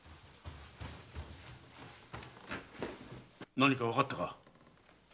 何かわかったか？